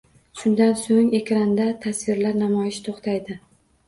Shundan so‘ng ekranda tasvirlar namoyishi to‘xtaydi.